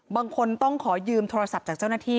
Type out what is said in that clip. บางคนต้องขอยืมโทรศัพท์จากเจ้าหน้าที่